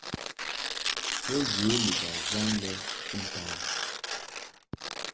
Bo ghə ni baghan lɛ kɨntan.